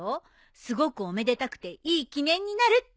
すごくおめでたくていい記念になるって。